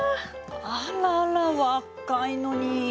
あらら若いのに。